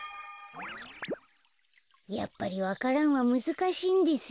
やっぱりわか蘭はむずかしいんですよ。